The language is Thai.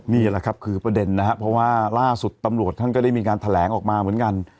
นี่แหละครับคือประเด็นนะครับเพราะว่าล่าสุดตำรวจท่านก็ได้มีการแถลงออกมาเหมือนกัน